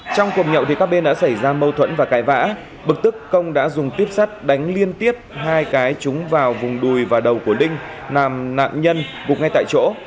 trong cuộc nhậu thì các bên đã xảy ra mâu thuẫn và cãi vã bực tức công đã dùng tuyếp sắt đánh liên tiếp hai cái trúng vào vùng đùi và đầu của linh làm nạn nhân gục ngay tại chỗ